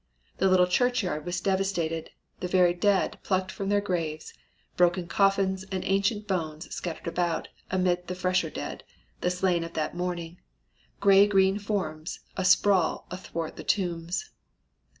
The little churchyard was devastated, the very dead plucked from their graves, broken coffins and ancient bones scattered about amid the fresher dead, the slain of that morning gray green forms asprawl athwart the tombs.